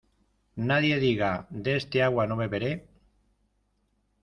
Nadie diga "de esta agua no beberé".